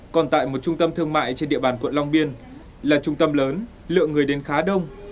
còn tại một trung tâm thương mại trên địa bàn quận long biên là trung tâm lớn lượng người đến khá đông